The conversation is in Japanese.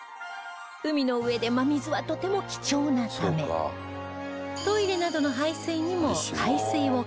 海の上で真水はとても貴重なためトイレなどの排水にも海水を活用